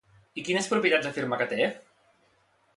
I quines propietats afirma que té?